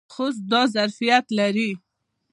خوست دا ظرفیت لري.